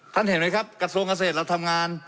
เห็นไหมครับกระทรวงเกษตรเราทำงาน